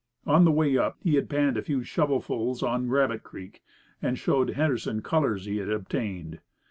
On the way up he had panned a few shovels on Rabbit Creek, and he showed Henderson "colours" he had obtained.